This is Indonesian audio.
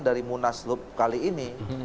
dari munas loop kali ini